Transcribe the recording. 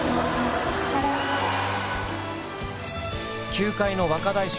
球界の若大将